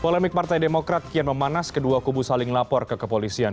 polemik partai demokrat kian memanas kedua kubu saling lapor ke kepolisian